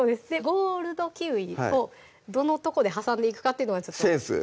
ゴールドキウイをどのとこで挟んでいくかっていうのがセンス？